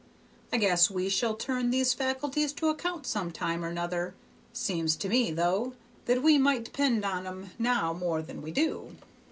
I guess we shall turn these fac'lties to account some time or 'nother. Seems to me, though, that we might depend on 'em now more than we do."